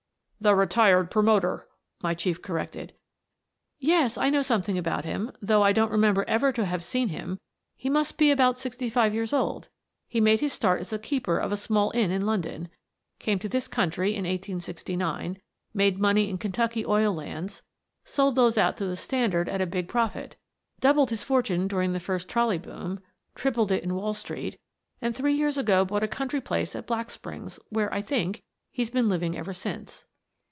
" The retired promoter," my Chief corrected. "Yes, I know something about him, though I don't remember ever to have seen him. He must be about sixty five years old; he made his start as the keeper of a small inn in London; came to this country in 1869; made money in Kentucky oil lands; sold those out to the Standard at a big profit; doubled his fortune during the first trolley 6 Miss Frances Baird, Detective SSSS==SSSSS=SS^E====^=SS===KS==ES======SSE=SSS==r boom; tripled it in Wall Street, and three years ago bought a country place at Black Springs, where, I think, he's been living ever since."